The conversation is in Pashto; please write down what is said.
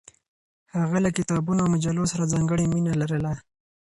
هغه له کتابونو او مجلو سره ځانګړې مینه لرله.